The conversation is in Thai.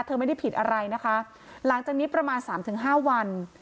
เธอไม่ได้ผิดอะไรนะคะหลังจากนี้ประมาณ๓๕วัน